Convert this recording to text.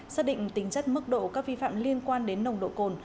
xác định tính chất mức độ các vi phạm liên quan đến nồng độ cồn